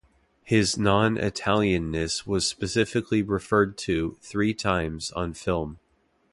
His non-Italian-ness was specifically referred to three times on film.